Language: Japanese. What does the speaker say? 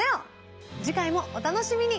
次回もお楽しみに。